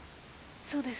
そうです。